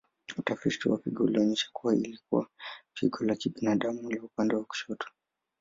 Utafiti wa figo ulionyesha kuwa ilikuwa figo la kibinadamu la upande wa kushoto.